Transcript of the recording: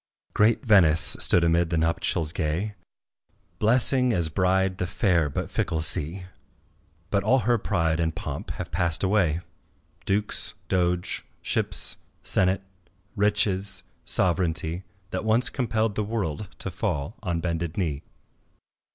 Great Venice stood amid the nuptials gay Blessing as bride the fair but fickle sea; But all her pride and pomp have passed away, Dukes, doge, ships, senate, riches, sovereignty, That once compelled the world to fall on bended knee.